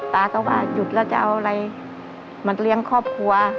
ตาก็ว่าหยุดแล้วจะเอาอะไรมาเลี้ยงครอบครัว